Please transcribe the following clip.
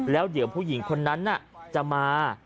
แล้วเดี๋ยวผู้หญิงคนนั้นจะมา